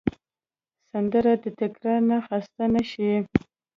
سندره د تکرار نه خسته نه شي